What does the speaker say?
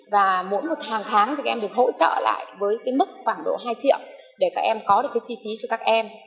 và mỗi một hàng tháng thì các em được hỗ trợ lại với mức khoảng độ hai triệu để các em có được cái chi phí cho các em